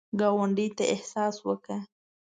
ګاونډي ته احسان وکړه